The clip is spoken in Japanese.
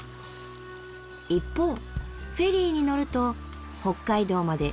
一方フェリーに乗ると北海道まで９０分。